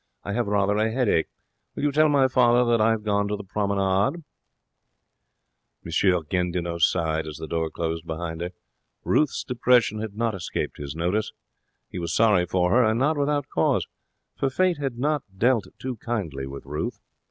I have rather a headache. Will you tell my father I have gone to the Promenade?' M. Gandinot sighed as the door closed behind her. Ruth's depression had not escaped his notice. He was sorry for her. And not without cause, for Fate had not dealt too kindly with Ruth.